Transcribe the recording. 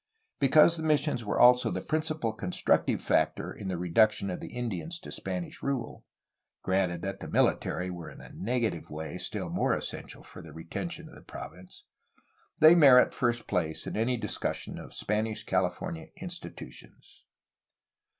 Because the missions were also the principal constructive factor in the reduction of the Indians to Spanish rule, — ^granted that the military were in a negative way still more essential for the retention of the province, — they merit first place in any discussion of Spanish Californian institutions.